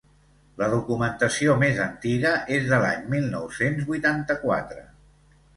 La documentació més antiga és de l'any mil nou-cents vuitanta-quatre.